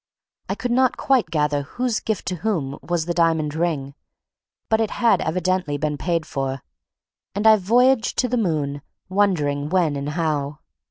I could not quite gather whose gift to whom was the diamond ring; but it had evidently been paid for; and I voyaged to the moon, wondering when and how.